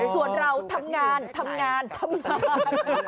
ส่วนเราทำงานทำงานทำงาน